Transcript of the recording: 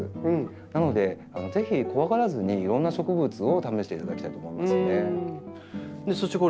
なのでぜひ怖がらずにいろんな植物を試していただきたいと思いますね。